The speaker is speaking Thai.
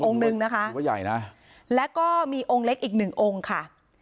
หนึ่งนะคะถือว่าใหญ่นะแล้วก็มีองค์เล็กอีกหนึ่งองค์ค่ะ